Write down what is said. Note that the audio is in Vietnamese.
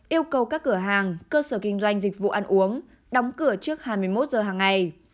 yêu cầu các cửa hàng cơ sở kinh doanh dịch vụ ăn uống đóng cửa trước hai mươi một giờ hàng ngày